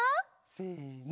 せの。